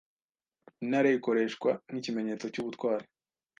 Intare ikoreshwa nkikimenyetso cyubutwari.